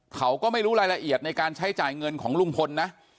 เขาก็ไม่รู้รายละเอียดในการใช้จ่ายเงินของลุงพลนะ